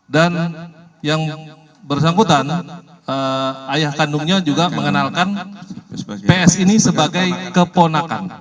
dan yang bersangkutan ayah kandungnya juga mengenalkan ps ini sebagai keponakan